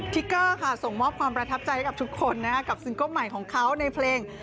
ทิกเกอร์ค่ะส่งมอบความประทับใจให้กับทุกคนกับซิงเกิ้ลใหม่ของเขาในเพลง